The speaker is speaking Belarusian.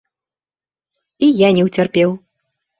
І я не ўцерпеў!